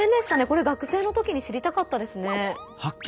これ学生のときに知りたかったですね。